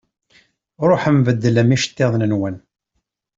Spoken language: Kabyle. Ṛuḥem beddlem iceṭṭiḍen-nwen.